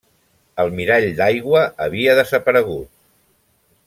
El mirall d'aigua havia desaparegut.